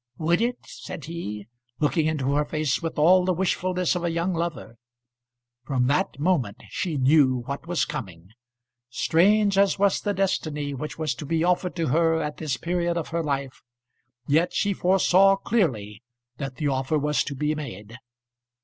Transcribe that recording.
"Would it?" said he, looking into her face with all the wishfulness of a young lover. From that moment she knew what was coming. Strange as was the destiny which was to be offered to her at this period of her life, yet she foresaw clearly that the offer was to be made.